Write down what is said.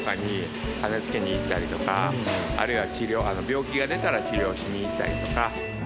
あるいは治療病気が出たら治療しに行ったりとか。